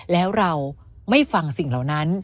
แล้วเราไม่ฟังสิ่งเหล่านั้น